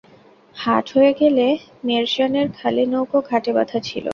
হাট হয়ে গেলে মিরজানের খালি নৌকো ঘাটে বাঁধা ছিল।